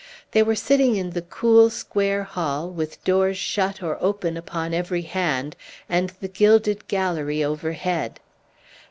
They were sitting in the cool, square hall, with doors shut or open upon every hand, and the gilded gallery overhead.